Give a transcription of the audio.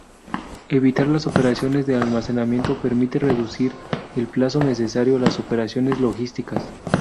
Evitar las operaciones de almacenamiento permite reducir el plazo necesario a las operaciones logísticas.